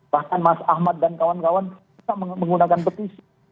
bahkan mas ahmad dan kawan kawan bisa menggunakan petisi